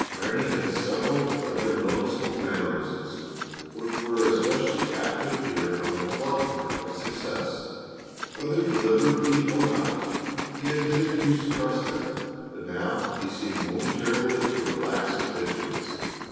Ranny had several rather noticeable mannerisms, which were especially apt to appear on the flood tide of success. Whether deliberately or not, he had hitherto suppressed them, but now he seemed momentarily to relax his vigilance.